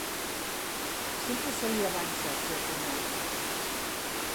Sempre se li avança, el seu cunyat.